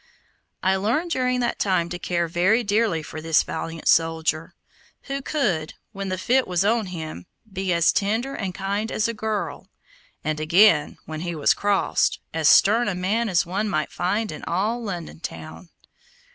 I learned during that time to care very dearly for this valiant soldier, who could, when the fit was on him, be as tender and kind as a girl, and again, when he was crossed, as stern a man as one might find in all London town.